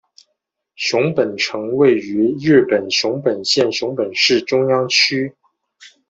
熊本城位于日本熊本县熊本市中央区。